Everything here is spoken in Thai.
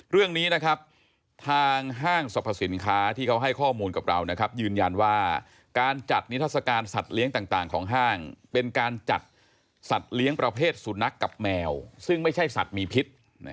เรื่องนี้นะครับทางห้างสรรพสินค้าที่เขาให้ข้อมูลกับเรานะครับยืนยันว่าการจัดนิทัศกาลสัตว์เลี้ยงต่างของห้างเป็นการจัดสัตว์เลี้ยงประเภทสุนัขกับแมวซึ่งไม่ใช่สัตว์มีพิษ